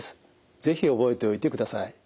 是非覚えておいてください。